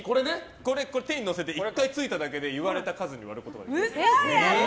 これ、手に乗せて１回突いただけで言われた数に割ることができます。